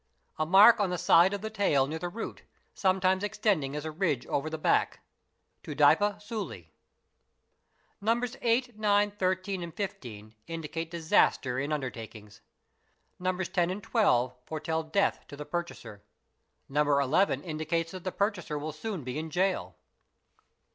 A mark on the side of the tail near the root, sometimes extending as a ridge over the back, (tudaippa sult). — Numbers 8, 9, 13 and 15 indicate disaster in undertakings. Numbers 10 and 12 foretell death to the purchaser. Number 11 indicates that the purchaser will soon be in gaol.